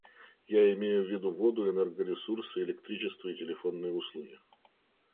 Я имею в виду воду, энергоресурсы, электричество и телефонные услуги.